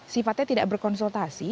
sifatnya tidak berkonsultasi